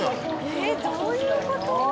「えっどういう事？」